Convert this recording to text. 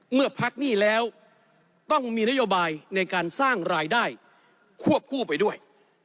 เมื่อพักหนี้แล้วต้องมีนโยบายในการสร้างรายได้ควบคู่ไปด้วย